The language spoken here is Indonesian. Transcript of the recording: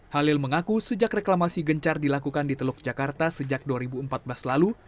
halil mengaku sejak reklamasi gencar dilakukan di teluk jakarta sejak dua ribu empat belas lalu